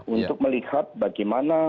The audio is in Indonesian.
untuk melihat bagaimana